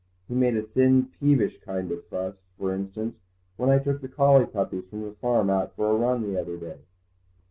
He made a thin, peevish kind of fuss, for instance, when I took the collie puppies from the farm out for a run the other day."